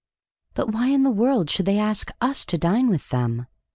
"But why in the world should they ask us to dine with them?"